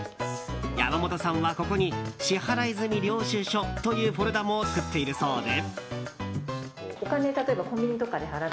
山本さんはここに支払い済み領収書というフォルダも作っているそうで。